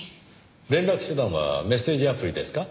連絡手段はメッセージアプリですか？